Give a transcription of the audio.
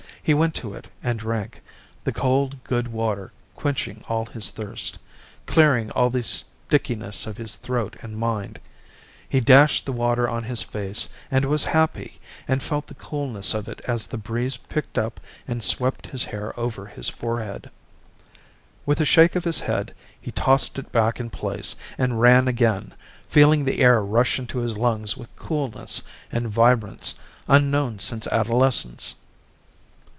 He went to it and drank, the cold, good water quenching all his thirst, clearing all the stickiness of his throat and mind. He dashed the water on his face and was happy and felt the coolness of it as the breeze picked up and swept his hair over his forehead. With a shake of his head he tossed it back in place and ran again, feeling the air rush into his lungs with coolness and vibrance unknown since adolescence.